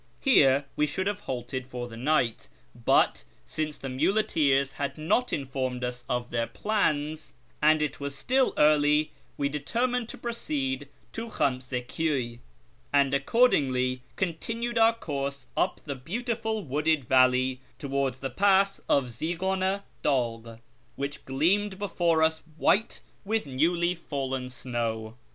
Here we should have halted for the night ; but, since the muleteers had not informed us of their plans, and it was still early, we determined to proceed to Khamse Kyiiy, and accordingly continued our course up the beautiful wooded valley towards the pass of Zighana dagh, which gleamed before us white with newly fallen snow.